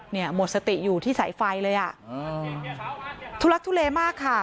เนี่ยหมดสติอยู่ที่สายไฟเลยอ่ะทุลักษณ์ทุเลมากค่ะ